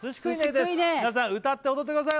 です皆さん歌って踊ってください